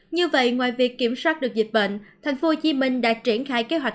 như vậy ngoài việc kiểm soát được dịch bệnh thành phố hồ chí minh đã triển khai kế hoạch